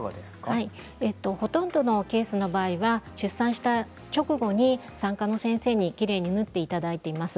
ほとんどのケースの場合は出産した直後に産科の先生にきれいに縫っていただいています。